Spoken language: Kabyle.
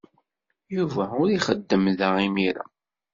Yuba ur ixeddem da imir-a.